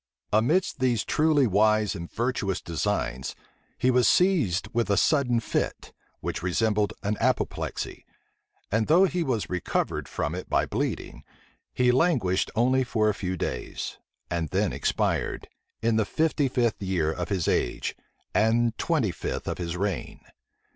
Amidst these truly wise and virtuous designs, he was seized with a sudden fit, which resembled an apoplexy; and though he was recovered from it by bleeding, he languished only for a few days, and then expired, in the fifty fifth year of his age, and twenty fifth of his reign.